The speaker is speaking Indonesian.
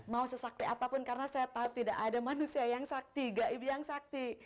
mau sesakti apapun karena saya tahu tidak ada manusia yang sakti gaib yang sakti